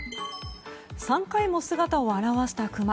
３回も姿を現したクマ。